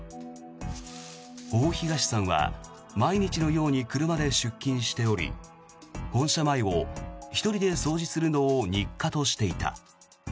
大東さんは毎日のように車で出勤しており本社前を１人で掃除するのを日課としていた。